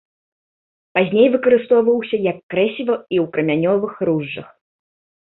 Пазней выкарыстоўваўся як крэсіва і ў крамянёвых ружжах.